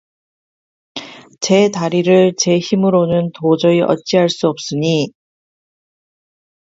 제 다리를 제 힘으로는 도저히 어찌할 수 없으니